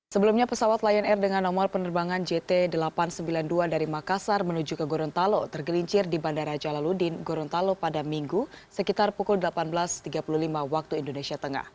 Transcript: sebelumnya pesawat lion air dengan nomor penerbangan jt delapan ratus sembilan puluh dua dari makassar menuju ke gorontalo tergelincir di bandara jalaludin gorontalo pada minggu sekitar pukul delapan belas tiga puluh lima waktu indonesia tengah